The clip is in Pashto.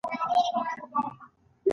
کروندګر د خپل کښت د پاملرنې له پاره هڅه کوي